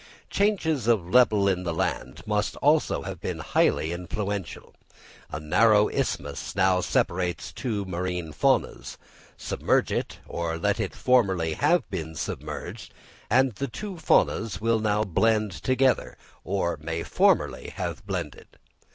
Changes of level in the land must also have been highly influential: a narrow isthmus now separates two marine faunas; submerge it, or let it formerly have been submerged, and the two faunas will now blend together, or may formerly have blended.